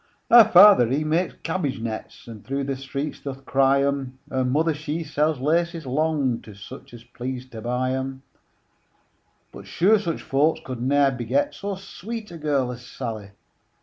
Her father he makes cabbage nets, And through the streets does cry 'em; Her mother she sells laces long To such as please to buy 'em: But sure such folks could ne'er beget So sweet a girl as Sally!